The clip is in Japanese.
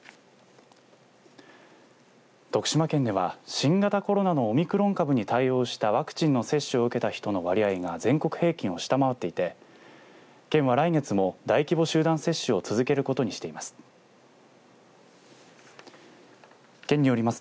徳島県では、新型コロナのオミクロン株に対応したワクチンの接種を受けた人の割合が全国平均を下回っていて県は来月も大規模集団接種を続けることにしています。